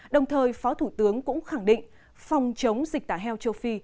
đồng thời phó thủ tướng cũng khẳng định phòng chống dịch tả heo châu phi